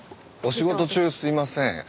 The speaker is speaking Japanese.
お仕事中すいません。